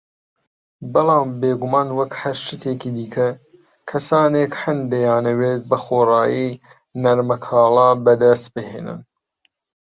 بەڵام بیگومان وەک هەر شتێکی دیکە، کەسانێک هەن دەیانەوێ بەخۆڕایی نەرمەکاڵا بەدەست بهێنن